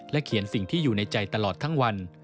เขียนสิ่งที่อยู่ในใจตลอดทั้งวัน